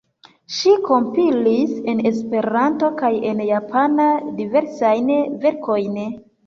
Ŝi kompilis en Esperanto kaj en japana diversajn verkojn.